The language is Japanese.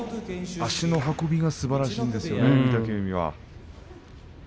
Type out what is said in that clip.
足の運びがすばらしいですね御嶽海は。